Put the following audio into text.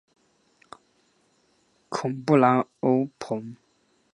孔布兰欧蓬。